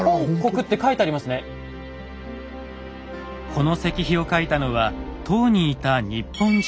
この石碑を書いたのは唐にいた日本人。